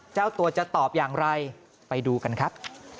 เจ้าตัวจะตอบอย่างไรไปดูกันครับ